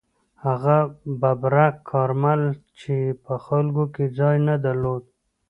هغه ببرک کارمل چې په خلکو کې ځای نه درلود.